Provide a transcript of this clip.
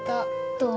どう？